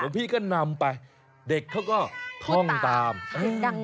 อ่าขอให้ข้าพเจ้ามีความสุข